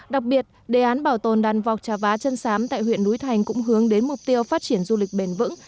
đặc biệt đề án bảo tồn đàn vọc trà vá chân sám tại huyện núi thành cũng hướng đến mục tiêu phát triển du lịch bền vững